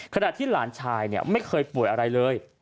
ขณะที่หลานชายไม่เคยป่วยอะไรเลย